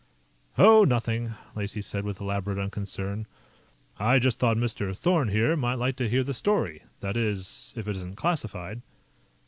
"Oh, nothing," Lacey said with elaborate unconcern, "I just thought Mr. Thorn, here, might like to hear the story that is, if it isn't classified."